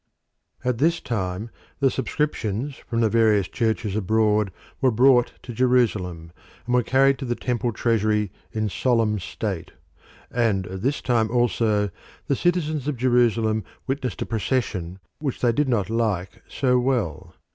At this time the subscriptions from the various churches abroad were brought to Jerusalem, and were carried to the Temple treasury in solemn state; and at this time also the citizens of Jerusalem witnessed a procession which they did not like so well.